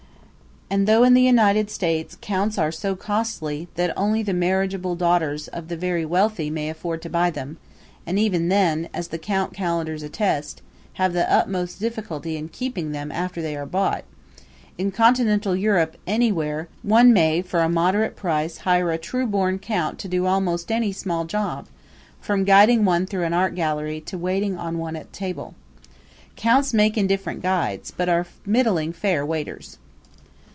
And, though in the United States counts are so costly that only the marriageable daughters of the very wealthy may afford to buy them and even then, as the count calendars attest, have the utmost difficulty in keeping them after they are bought in Continental Europe anywhere one may for a moderate price hire a true born count to do almost any small job, from guiding one through an art gallery to waiting on one at the table. Counts make indifferent guides, but are middling fair waiters.